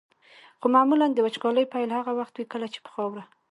خو معمولا د وچکالۍ پیل هغه وخت وي کله چې په خاوره.